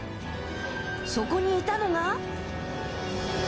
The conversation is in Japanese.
そこにいたのが。